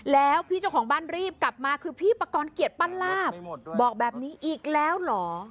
แล้วพี่เจ้าของบ้านรีบกลับมาคือพี่ประกอบเกียรติปั้นลาบบอกแบบนี้อีกแล้วเหรอ